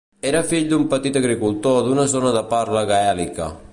Era fill d'un petit agricultor d'una zona de parla gaèlica.